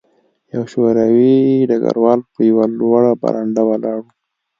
یو شوروي ډګروال په یوه لوړه برنډه ولاړ و